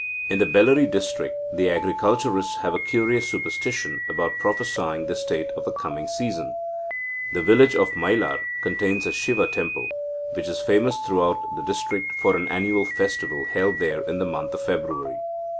In the Bellary district, the agriculturists have a curious superstition about prophesying the state of the coming season. The village of Mailar contains a Siva temple, which is famous throughout the district for an annual festival held there in the month of February.